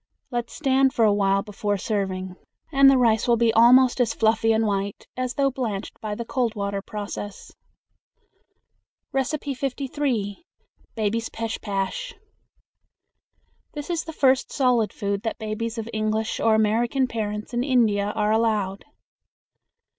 Let stand for a while before serving, and the rice will be almost as fluffy and white as though blanched by the cold water process. 53. Baby's Pesh Pash. This is the first solid food that babies of English or American parents in India are allowed.